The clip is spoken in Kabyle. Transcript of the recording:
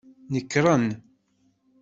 Nekren.